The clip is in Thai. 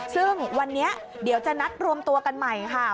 ซึ่งวันนี้เดี๋ยวจะนัดรวมตัวกันใหม่ค่ะ